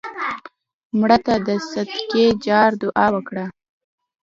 مړه ته د صدقې جار دعا وکړه